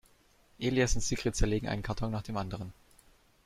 Elias und Sigrid zerlegen einen Karton nach dem anderen.